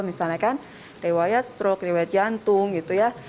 misalnya kan rewayat stroke rewayat jantung gitu ya